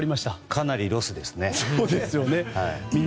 かなりロスですね。